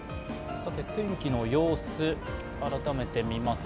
天気の様子、改めて見ます。